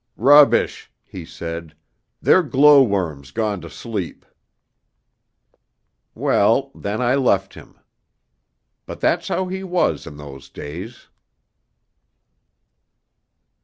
'Rubbish,' he said, 'they're glow worms gone to sleep.' Well, then I left him. But that's how he was in those days.